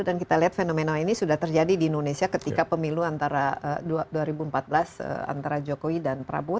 dan kita lihat fenomena ini sudah terjadi di indonesia ketika pemilu dua ribu empat belas antara jokowi dan prabowo